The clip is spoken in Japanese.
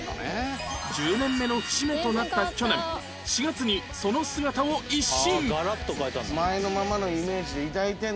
１０年目の節目となった去年４月にその姿を一新！